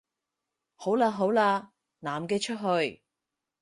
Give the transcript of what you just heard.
好喇好喇，男嘅出去